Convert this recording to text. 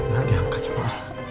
nah diangkat cepat